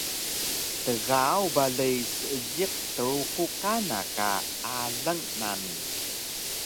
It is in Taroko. Tgaaw balay Seejiq Truku kana ka alang nami